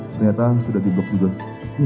ternyata sudah diblok juga